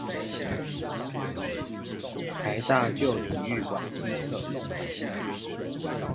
臺大舊體育館西側